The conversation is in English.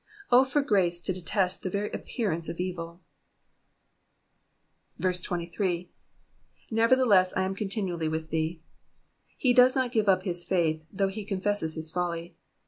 O for grace to detest the very appearance of evil ! 23. ^''Nevertheless I am continually mth thee.''^ He does not give up his faith, though he confesses his folly.